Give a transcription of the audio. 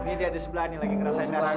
ini dia di sebelah lagi ngerasain darah gue